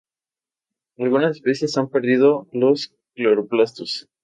Algunas especies han perdido los cloroplastos.